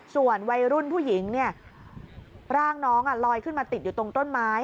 ส่วนวัยรุ่นผู้หญิงเนี่ยร่างน้องลอยขึ้นมาติดอยู่ตรงต้นไม้